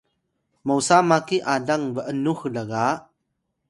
mosa maki alang b’nux lga